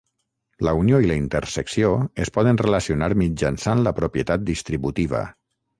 La unió i la intersecció es poden relacionar mitjançant la propietat distributiva.